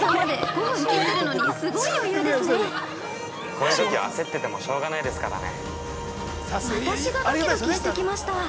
◆こういうときは焦っててもしようがないですからね。